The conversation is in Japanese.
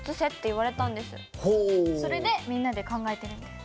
それでみんなで考えてるんです。